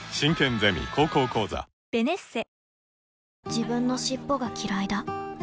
自分の尻尾がきらいだ